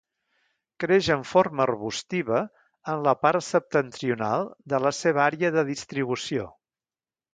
Creix en forma arbustiva en la part septentrional de la seva àrea de distribució.